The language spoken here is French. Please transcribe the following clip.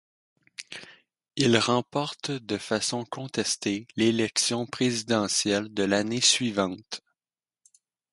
Il remporte de façon contestée l'élection présidentielle de l'année suivante.